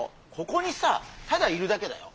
ここにさただいるだけだよ？